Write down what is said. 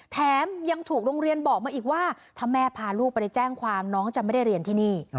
แถมยังถูกโรงเรียนบอกมาอีกว่าถ้าแม่พาลูกไปแจ้งความน้องจะไม่ได้เรียนที่นี่